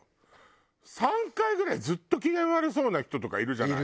３回ぐらいずっと機嫌悪そうな人とかいるじゃない？